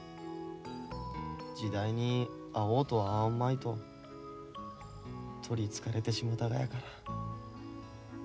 時代に合おうと合わんまいと取りつかれてしもたがやから。